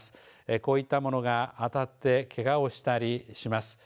こういったものが当たってけがをしたりします。